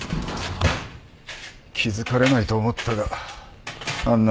気付かれないと思ったがあんな